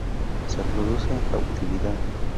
Se reproduce en cautividad.